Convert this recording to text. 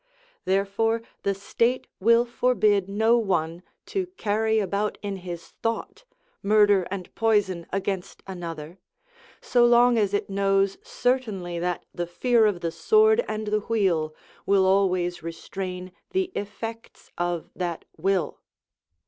Therefore the state will forbid no one to carry about in his thought murder and poison against another, so long as it knows certainly that the fear of the sword and the wheel will always restrain the effects of that will.